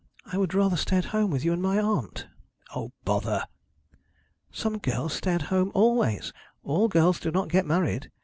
'I would rather stay at home with you and my aunt.' 'O, bother!' 'Some girls stay at home always. All girls do not get married.